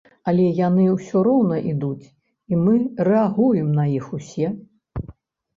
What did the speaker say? Але яны ўсё роўна ідуць, і мы рэагуем на іх усе.